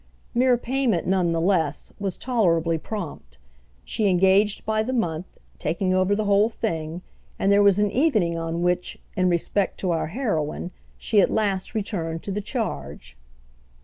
Mere payment, none the less, was tolerably prompt; she engaged by the month, taking over the whole thing; and there was an evening on which, in respect to our heroine, she at last returned to the charge.